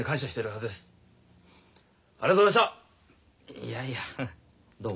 いやいやどうも。